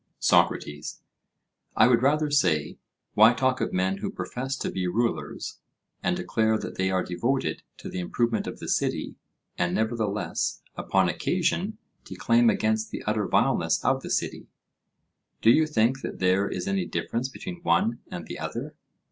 SOCRATES: I would rather say, why talk of men who profess to be rulers, and declare that they are devoted to the improvement of the city, and nevertheless upon occasion declaim against the utter vileness of the city:—do you think that there is any difference between one and the other?